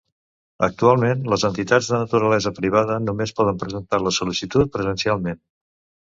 Actualment les entitats de naturalesa privada només poden presentar la sol·licitud presencialment.